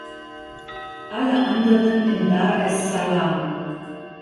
Alle anderen in Dar es Salaam.